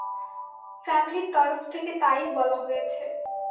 ফ্যামিলির তরফ থেকে তা-ই বলা হয়েছে।